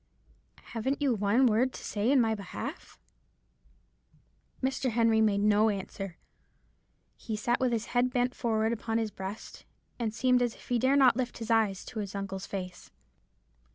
Haven't you one word to say in my behalf?' "Mr. Henry made no answer. He sat with his head bent forward upon his breast, and seemed as if he dare not lift his eyes to his uncle's face.